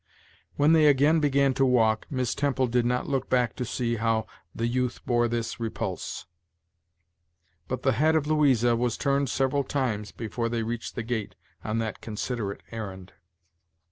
When they again began to walk Miss Temple did not look back to see how the youth bore this repulse; but the head of Louisa was turned several times before they reached the gate on that considerate errand.